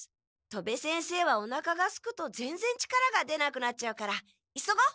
戸部先生はおなかがすくとぜんぜん力が出なくなっちゃうから急ごう！